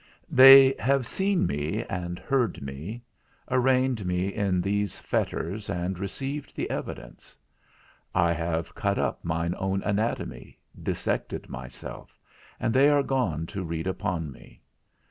They have seen me and heard me, arraigned me in these fetters and received the evidence; I have cut up mine own anatomy, dissected myself, and they are gone to read upon me.